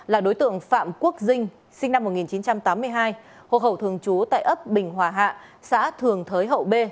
là đối tượng phạm quốc dinh sinh năm một nghìn chín trăm tám mươi hai hộ khẩu thường trú tại ấp bình hòa hạ xã thường thới hậu b